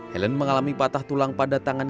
helen mengalami patah tulang pada tangan